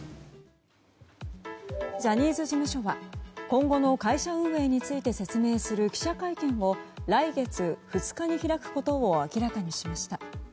ジャニーズ事務所は今後の会社運営について説明する記者会見を来月２日に開くことを明らかにしました。